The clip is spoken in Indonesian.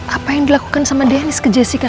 apa yang dilakukan sama deniz ke jessica